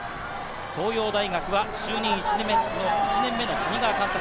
東洋大学は就任１年目の谷川監督。